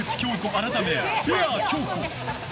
改め、ベアー京子。